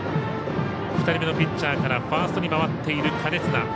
２人目のピッチャーからファーストに回っている金綱。